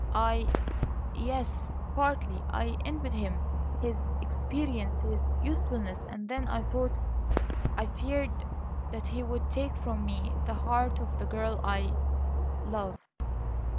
"I yes, partly. I envied him his experience his usefulness. And then I thought I feared that he would take from me the heart of the girl I love."